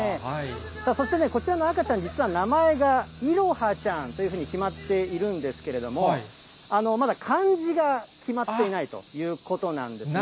そしてね、こちらの赤ちゃん、実は名前が、いろはちゃんというふうに決まっているんですけれども、まだ漢字が決まっていないということなんですね。